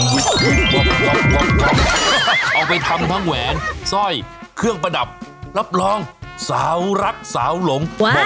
เอาไปทำทั้งแหวนสร้อยเครื่องประดับรับรองสาวรักสาวหลง